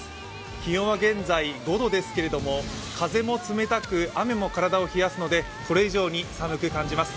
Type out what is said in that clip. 気温は現在５度ですけれども風も冷たく、雨も体を冷やすので、これ以上に寒く感じます。